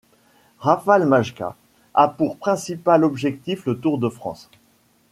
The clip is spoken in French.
Rafał Majka a pour principal objectif le Tour de France.